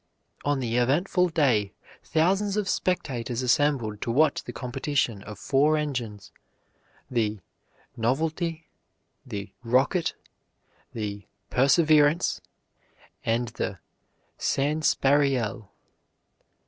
On the eventful day, thousands of spectators assembled to watch the competition of four engines, the "Novelty," the "Rocket," the "Perseverance," and the "Sanspareil."